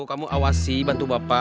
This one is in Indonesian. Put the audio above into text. kamu awasi bantu bapak